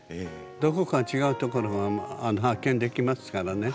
どこか違うところが発見できますからね。